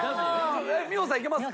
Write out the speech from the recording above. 美穂さんいけますか？